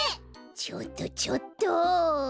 ちょっとちょっと！